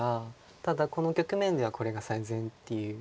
ただこの局面ではこれが最善っていう。